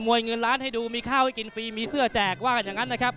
วยเงินล้านให้ดูมีข้าวให้กินฟรีมีเสื้อแจกว่ากันอย่างนั้นนะครับ